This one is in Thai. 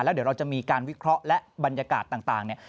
เดี๋ยวเราจะมีการวิเคราะห์และบรรยากาศต่างเนี่ย